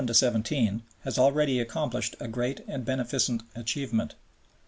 has already accomplished a great and beneficent achievement.